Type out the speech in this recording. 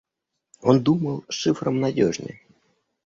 Он думал, шифром надежнее.